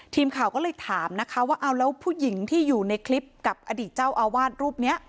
ทีมข่าวก็เลยถามนะคะว่าเอาแล้วผู้หญิงที่อยู่ในคลิปกับอดีตเจ้าอาวาสรูปนี้